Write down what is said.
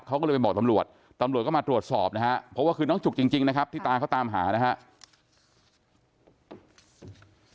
เขาก็เลยไปบอกตำรวจตำรวจก็มาตรวจสอบนะฮะเพราะว่าคือน้องจุกจริงนะครับที่ตาเขาตามหานะครับ